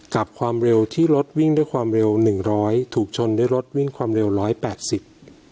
กับความเร็วที่รถวิ่งด้วยความเร็วหนึ่งร้อยถูกชนด้วยรถวิ่งความเร็วร้อยแปดสิบ